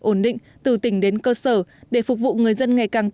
ổn định từ tỉnh đến cơ sở để phục vụ người dân ngày càng tăng